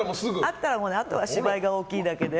会ったらあとは芝居が大きいだけで。